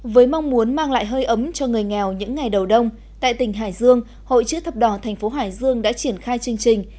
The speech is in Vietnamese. với mong muốn mang lại hơi ấm cho người nghèo những ngày đầu đông tại tỉnh hải dương hội chữ thập đỏ thành phố hải dương đã triển khai chương trình